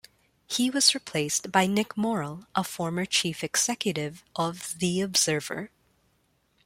He was replaced by Nick Morrell, a former chief executive of The Observer.